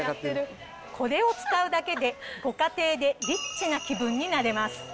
これを使うだけで、ご家庭でリッチな気分になれます。